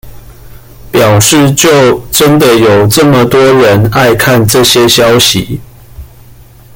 表示就真的有這麼多人愛看這些消息